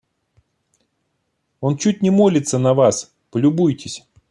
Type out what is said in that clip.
Он чуть не молится на вас, полюбуйтесь.